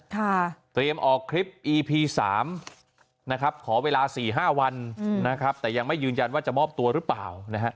เตรียมออกคลิปอีพี๓ขอเวลา๔๕วันแต่ยังไม่ยืนยันว่าจะมอบตัวหรือเปล่า